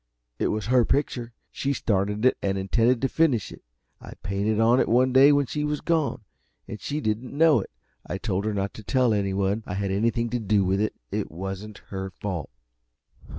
"It was her picture, she started it and intended to finish it. I painted on it one day when she was gone, and she didn't know it. I told her not to tell anyone I had anything to do with it. It wasn't her fault."